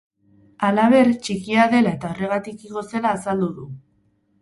Halaber, txikia dela eta horregatik igo zela azaldu du.